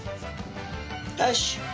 よし。